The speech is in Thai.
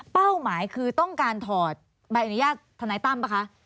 หมายคือต้องการถอดใบอนุญาตทนายตั้มป่ะคะ